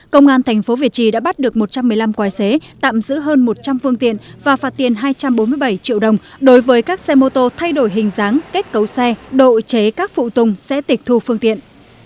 công an thành phố việt trì đã bắt được một trăm một mươi năm quái xế tạm giữ hơn một trăm linh phương tiện và phạt tiền hai trăm bốn mươi bảy triệu đồng đối với các xe mô tô thay đổi hình dáng kết cấu xe độ chế các phụ tùng sẽ tịch thu phương tiện